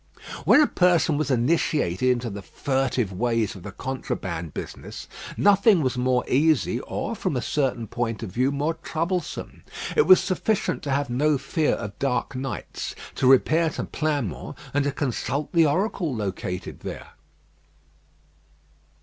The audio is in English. When a person was initiated into the furtive ways of the contraband business, nothing was more easy, or, from a certain point of view, more troublesome. It was sufficient to have no fear of dark nights, to repair to Pleinmont, and to consult the oracle located there.